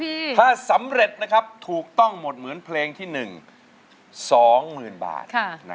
ถ้าสำเร็จถูกต้องหมดหมืนเพลงที่หนึ่ง๒๐๐๐๐บาท